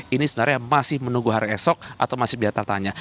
ini sebenarnya masih menunggu hari esok atau masih biasa tanya